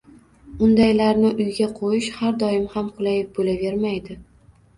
undaylarni uyga qo‘yish har doim ham qulay bo‘lavermaydi.